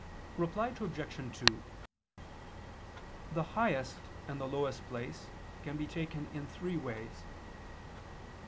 Reply Obj. 2: The highest and the lowest place can be taken in three ways.